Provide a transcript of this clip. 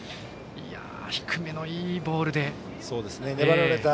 低めのいいボールでした。